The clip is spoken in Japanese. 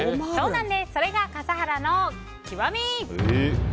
それが笠原の極み。